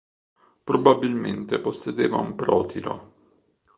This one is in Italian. Probabilmente possedeva un protiro.